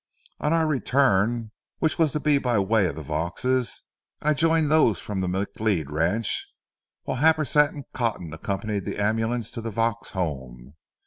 On our return, which was to be by way of the Vauxes', I joined those from the McLeod ranch, while Happersett and Cotton accompanied the ambulance to the Vaux home.